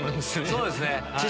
そうですね。